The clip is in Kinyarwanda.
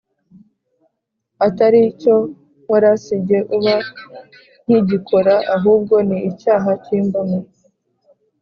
Atari cyo nkora si jye uba nkigikora ahubwo ni icyaha kimbamo